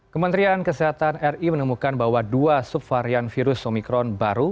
kementerian kesehatan ri menemukan bahwa dua subvarian virus omikron baru